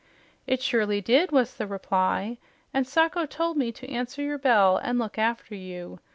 "It surely did," was the reply, "and Sacho told me to answer your bell and look after you.